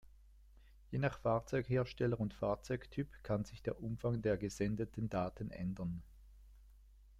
Je nach Fahrzeughersteller und Fahrzeugtyp kann sich der Umfang der gesendeten Daten ändern.